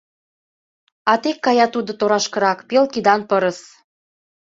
А тек кая тудо торашкырак, пел кидан пырыс.